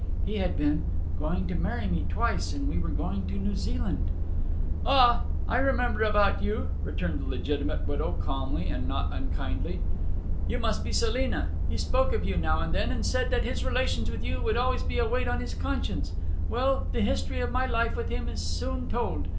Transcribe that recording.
'He had been going to marry me twice and we were going to New Zealand.' 'Ah! I remember about you,' returned the legitimate widow calmly and not unkindly. 'You must be Selina; he spoke of you now and then, and said that his relations with you would always be a weight on his conscience. Well; the history of my life with him is soon told.